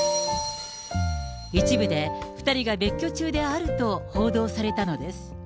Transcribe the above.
一部で２人が別居中であると報道されたのです。